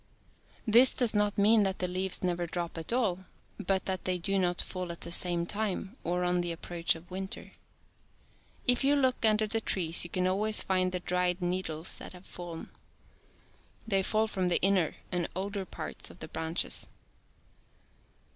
This does not mean that the leaves never drop at all, but that they do not fall at the same time or on the approach of winter. If you look under the trees you can always find the dried needles that have fallen. They fall from the inner and older parts of the branches.